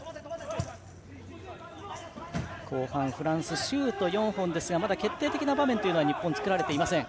後半、フランスシュート４本ですがまだ決定的な場面は日本、作られていません。